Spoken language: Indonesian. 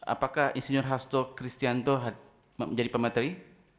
apakah insinyur hasto kristianto menjadi pemateri